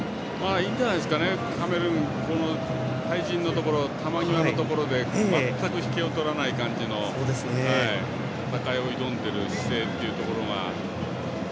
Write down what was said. いいんじゃないですかねカメルーンは対人のところ球際のところで全く引けを取らない感じの戦いを挑んでいる姿勢というところが。